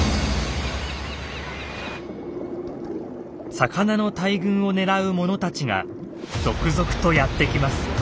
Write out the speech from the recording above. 魚の大群を狙うものたちが続々とやって来ます。